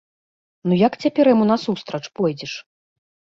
Ну як цяпер яму насустрач пойдзеш?